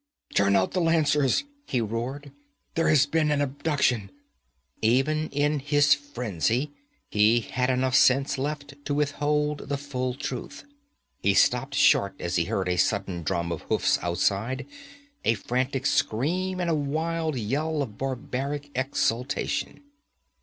'Turn out the lancers!' he roared. 'There has been an abduction!' Even in his frenzy he had enough sense left to withhold the full truth. He stopped short as he heard a sudden drum of hoofs outside, a frantic scream and a wild yell of barbaric exultation.